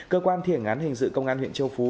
cơ quan thiền ngắn hình sự công an huyện châu phú